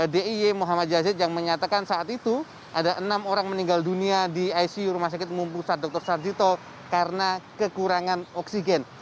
d i e muhammad jazid yang menyatakan saat itu ada enam orang meninggal dunia di icu rumah sakit umum pusat dr sarjito karena kekurangan oksigen